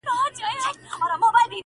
کارګه نه وو په خپل ژوند کي چا ستایلی،